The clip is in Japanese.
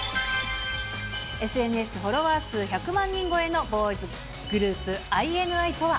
ＳＮＳフォロワー数１００万人超えのボーイズグループ、ＩＮＩとは。